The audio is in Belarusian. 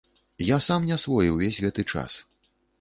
Я сам не свой увесь гэты час.